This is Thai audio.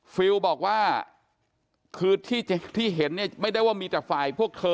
ฟิลบอกว่าคือที่เห็นเนี่ยไม่ได้ว่ามีแต่ฝ่ายพวกเธอ